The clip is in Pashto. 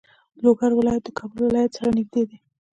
لوګر ولایت د کابل ولایت سره نږدې دی.